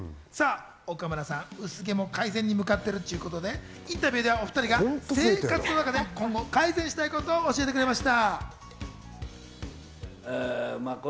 岡村さん、薄毛も改善に向かっているということで、インタビューではお２人が生活の中で今後改善したいことを教えてくれました。